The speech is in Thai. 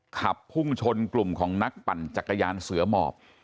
ขับพุ่งชนกลุ่มของนักปั่นจักรยานเสือหมอบ